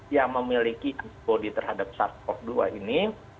yang memiliki antibody terhadap sars cov dua ini